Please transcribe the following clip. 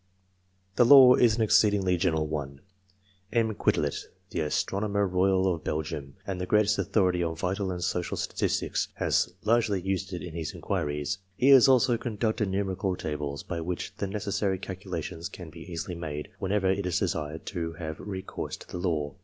The law is an exceedingly general one. M. Quetelet, the Astronomer Royal of Belgium, and the greatest authority on vital and social statistics, has largely used it in his inquiries. He has also constructed numerical tables, by which the necessary calculations can be easily made, whenever it is desired to have recourse to the law.